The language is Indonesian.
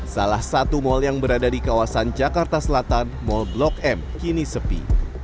salah satu mal yang berada di kawasan jakarta selatan mall blok m kini sepi